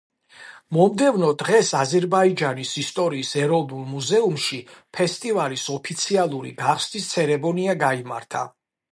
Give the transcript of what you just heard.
მომდევნო დღეს აზერბაიჯანის ისტორიის ეროვნულ მუზეუმში ფესტივალის ოფიციალური გახსნის ცერემონია გაიმართა.